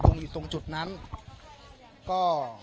ตรงตรงจุดนั้นก็